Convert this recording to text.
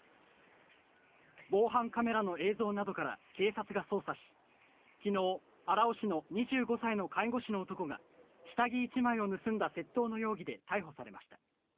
防犯カメラの映像などから警察が捜査し昨日、荒尾市の２５歳の介護士の男が下着１枚を盗んだ窃盗の容疑で逮捕されました。